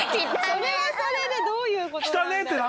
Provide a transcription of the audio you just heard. それはそれでどういう事。